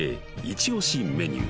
イチオシメニュー